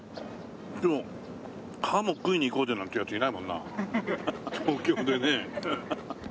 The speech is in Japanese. でもハモ食いに行こうぜなんてヤツいないもんな東京でね。